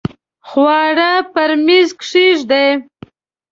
خواړه په میز کښېږدئ